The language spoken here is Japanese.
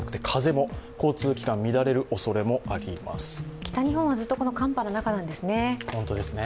北日本はずっと寒波の中なんですね。